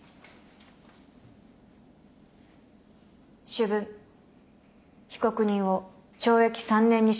主文被告人を懲役３年に処する。